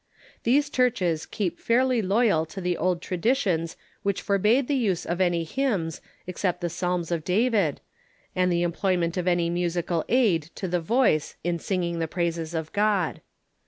These churches keep fairly loyal to the old tradi tions which forbade the use of any hymns except the Psalms of David, and the employment of any musical aid to the voice in singing the praises of God.